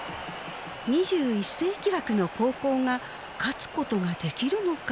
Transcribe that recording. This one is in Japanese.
「２１世紀枠の高校が勝つことができるのか」。